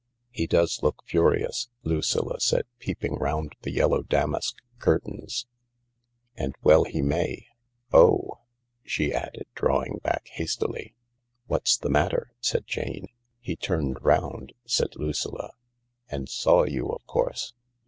" He does look furious," Lucilla said, peeping round the yellow damask curtains ;" and well he may ! Oh !" she added, drawing back hastily. " What's the matter ?" said Jane. " He turned round," said Lucilla. " And saw you, of course.